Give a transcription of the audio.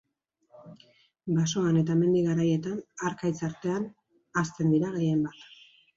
Basoan eta mendi garaietan, harkaitz artean, hazten dira gehienbat.